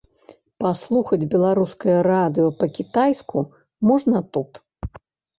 Паслухаць беларускае радыё па-кітайску можна тут.